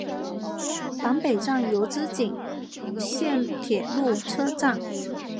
坂北站筱之井线铁路车站。